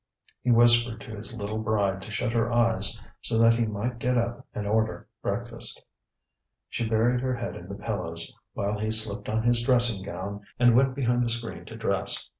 He whispered to his little bride to shut her eyes so that he might get up and order breakfast. She buried her head in the pillows, while he slipped on his dressing gown and went behind the screen to dress.